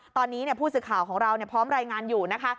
ตอนนี้ผู้สื่อข่าวของเราพร้อมรายงานอยู่นะคะ